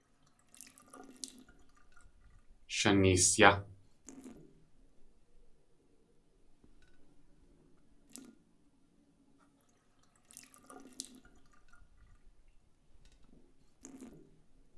Shaneesyá!